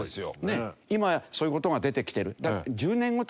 今やそういう事が出てきてる。